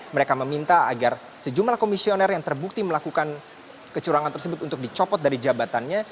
mereka meminta agar sejumlah komisioner yang terbukti melakukan kecurangan tersebut untuk dicopot dari jabatannya